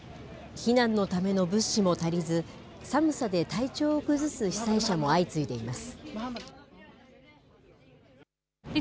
避難のための物資も足りず、寒さで体調を崩す被災者も相次いでいます。